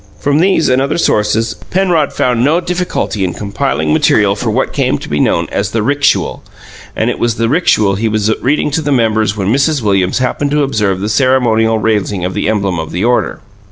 From these and other sources, Penrod found no difficulty in compiling material for what came to be known as the "rixual"; and it was the rixual he was reading to the members when Mrs. Williams happened to observe the ceremonial raising of the emblem of the order.